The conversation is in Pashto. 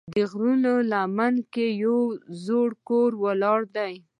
د غرونو لمن کې یو زوړ کور ولاړ دی.